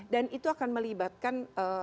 dan itu akan melibatkan